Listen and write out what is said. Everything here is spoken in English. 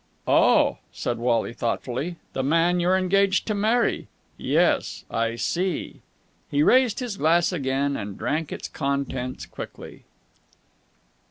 "Oh!" said Wally thoughtfully. "The man you're engaged to marry? Yes, I see!" He raised his glass again, and drank its contents quickly.